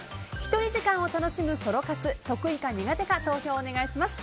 １人時間を楽しむソロ活得意か苦手か投票をお願いします。